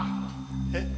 えっ？